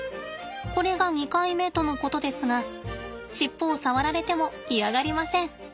これが２回目とのことですが尻尾を触られても嫌がりません。